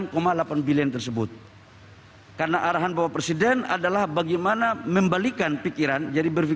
khususnya keperluan ekonomi dan teknologi